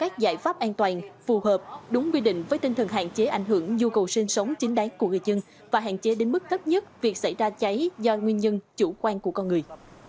ảnh hưởng nhu cầu sinh sống chính đáng của người dân và hạn chế đến mức tấp nhất việc xảy ra cháy do nguyên nhân chủ quan của con người